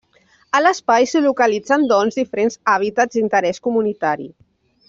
A l’espai s’hi localitzen doncs diferents hàbitats d’interès comunitari.